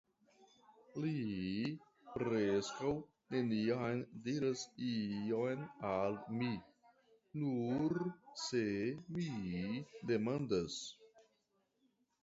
Li preskaŭ neniam diras ion al mi ., nur se mi demandas.